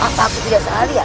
apa aku tidak serah lihat